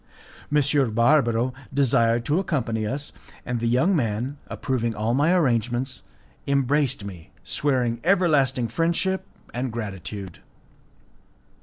M. Barbaro desired to accompany us, and the young man, approving all my arrangements, embraced me, swearing everlasting friendship and gratitude.